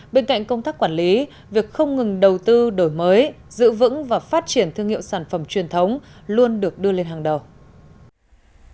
bên cạnh công tác quản lý việc không ngừng đầu tư đổi mới giữ vững và phát triển thương hiệu sản phẩm truyền thống luôn được đưa lên hàng đầu